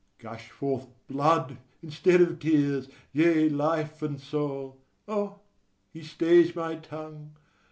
Gush forth blood, instead of tears! yea, life and soul! O, he stays my tongue!